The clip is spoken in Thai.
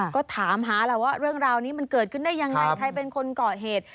ก็ถามหาแล้วว่าเรื่องราวนี้มันเกิดขึ้นได้ยังไงใครเป็นคนก่อเหตุ